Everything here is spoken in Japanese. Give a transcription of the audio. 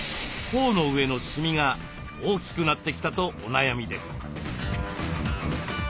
頬の上のシミが大きくなってきたとお悩みです。